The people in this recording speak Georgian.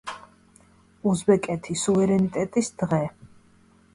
უზბეკეთი: სუვერენიტეტის დღე.